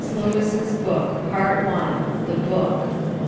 LEWIS' BOOK. PART I. THE BOOK.